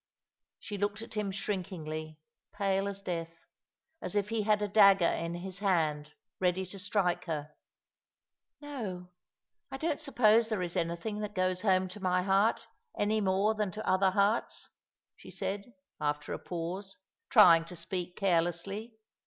She looked at him shrinkingly, pale as death, as if he had a dagger in his hand ready to strike her. " No, I don't suppose there is anything that goes home to my heart any more than to other hearts," she said, after a pause, trying to speak carelessly.